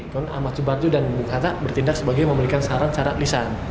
dan ahmad subardu dan bu karno bertindak sebagai yang memberikan saran saran tulisan